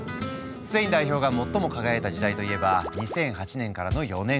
スペイン代表が最も輝いた時代といえば２００８年からの４年間。